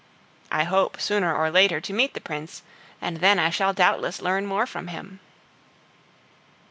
I hope, sooner or later, to meet the Prince, and then I shall doubtless learn more from him.